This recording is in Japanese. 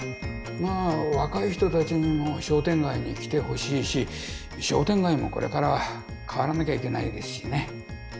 まあ若い人たちにも商店街に来てほしいし商店街もこれから変わらなきゃいけないですしね。